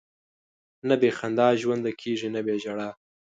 نه بې خندا ژوند کېږي، نه بې ژړا.